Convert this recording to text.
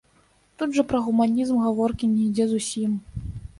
Тут жа пра гуманізм гаворкі не ідзе зусім.